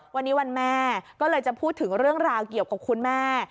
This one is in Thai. วันนี้วันแม่ก็เลยจะพูดถึงเรื่องราวเกี่ยวกับคุณแม่